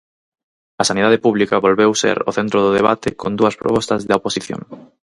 A sanidade pública volveu ser o centro do debate con dúas propostas da oposición.